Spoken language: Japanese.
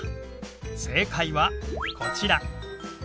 正解はこちら。